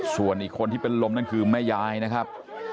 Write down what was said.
ส่วนอีกคนที่เป็นลมนั่นคือแม่ยายนะครับ